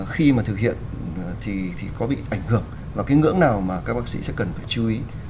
khi mà thực hiện thì có bị ảnh hưởng và cái ngưỡng nào mà các bác sĩ sẽ cần phải chú ý